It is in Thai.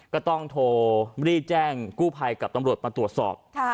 ก็ต้องโทรรีบแจ้งกู้ภัยกับตำรวจมาตรวจสอบ